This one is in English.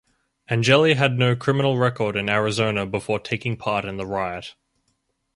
Angeli had no criminal record in Arizona before taking part in the riot.